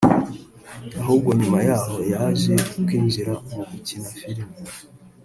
ahubwo nyuma yaho yaje kwinjira mu gukina Filime